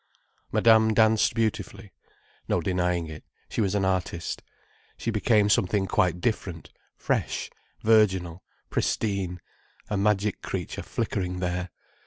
Madame danced beautifully. No denying it, she was an artist. She became something quite different: fresh, virginal, pristine, a magic creature flickering there.